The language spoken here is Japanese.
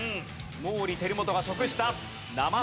毛利輝元が食した。